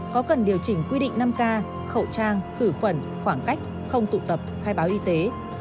có cần điều chỉnh quy định năm k khẩu trang khử khuẩn khoảng cách không tụ tập khai báo y tế